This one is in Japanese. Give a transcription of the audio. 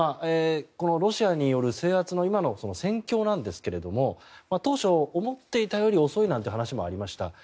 このロシアによる制圧の今の戦況なんですが当初、思っていたより遅いなんていう話もありました。